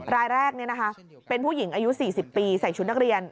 รายแรกเป็นผู้หญิงอายุ๔๐ปีใส่ชุดนักเรียน